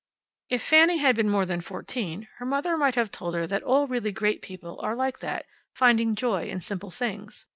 If Fanny had been more than fourteen her mother might have told her that all really great people are like that, finding joy in simple things.